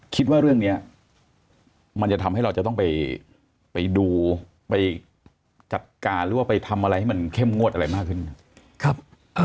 คิดว่าเรื่องนี้มันจะทำให้เราจะต้องไปดูไปจัดการหรือว่าไปทำอะไรให้มันเข้มงวดอะไรมากขึ้นครับ